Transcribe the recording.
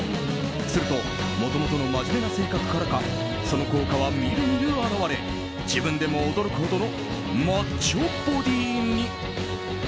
するともともとの真面目な性格からかその効果はみるみる表れ自分でも驚くほどのマッチョボディーに。